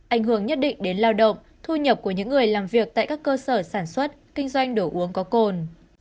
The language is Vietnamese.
ảnh hưởng nhất định đến lao động thu nhập của những người làm việc tại các cơ sở sản xuất kinh doanh đồ uống có cồn